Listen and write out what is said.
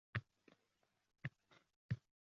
Musaffo osmon, koʻklamning iliq shabadalari dilimizda